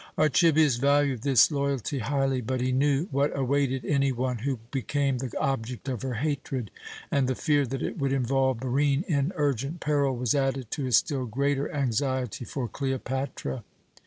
Archibius valued this loyalty highly, but he knew what awaited any one who became the object of her hatred, and the fear that it would involve Barine in urgent peril was added to his still greater anxiety for Cleopatra.